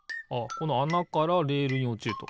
このあなからレールにおちると。